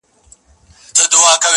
ورور مي اخلي ریسوتونه ښه پوهېږم.